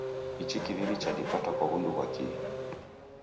Ichi kiw'iw'i chadipata kwa wundu ghwa kihi?